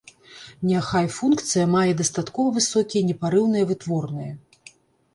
Няхай функцыя мае дастаткова высокія непарыўныя вытворныя.